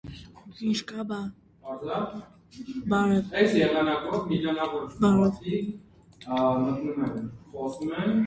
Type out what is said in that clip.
Վարդերի այգում սրճարաններ են բացված։